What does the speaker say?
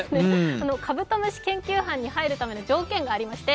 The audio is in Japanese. カブトムシ研究班に入るための条件がありまして、